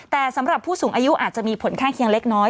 แต่สำหรับผู้สูงอายุอาจจะมีผลข้างเคียงเล็กน้อย